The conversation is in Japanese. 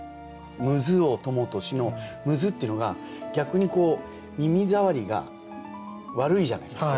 「ムズを朋とし」の「ムズ」っていうのが逆にこう耳ざわりが悪いじゃないですか。